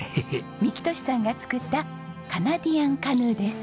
幹寿さんが作ったカナディアンカヌーです。